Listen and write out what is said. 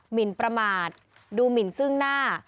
หินประมาทดูหมินซึ่งหน้า